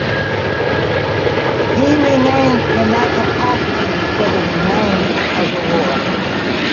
He remained in that capacity for the remained of the War.